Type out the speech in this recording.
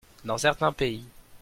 Dans certains pays.